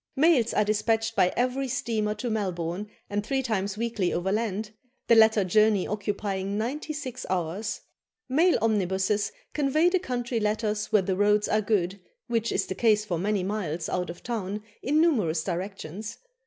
Mails are despatched by every steamer to Melbourne, and three times weekly overland, the latter journey occupying ninety six hours. Mail omnibuses convey the country letters where the roads are good, which is the case for many miles out of town in numerous directions.